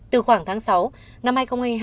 từ khoảng tháng sáu năm hai nghìn hai mươi hai